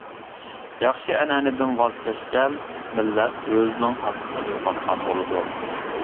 ياخشى ئەنئەنىدىن ۋاز كەچكەن مىللەت ئۆزنىڭ خاسلىقنى يوقاتقان بولىدۇ.